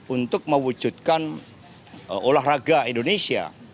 untuk mewujudkan olahraga indonesia